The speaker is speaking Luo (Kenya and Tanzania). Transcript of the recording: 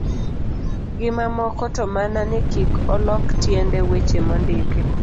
gi mamoko, to mana ni kik olok tiend weche mondiki.